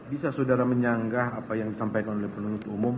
bisa saudara menyanggah apa yang disampaikan oleh penuntut umum